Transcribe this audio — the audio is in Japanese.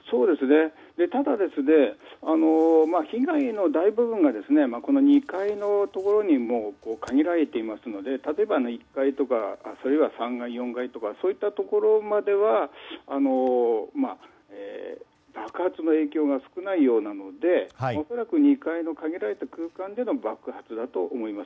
ただ、被害の大部分が２階のところに限られていますので例えば１階とか３階、４階とかそういったところまでは爆発の影響が少ないようなので恐らく２階の限られた空間での爆発だと思います。